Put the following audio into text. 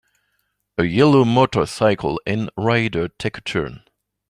A yellow motorcycle and rider take a turn